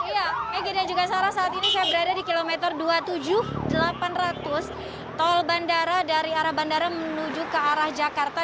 ya megi dan juga sarah saat ini saya berada di kilometer dua puluh tujuh delapan ratus tol bandara dari arah bandara menuju ke arah jakarta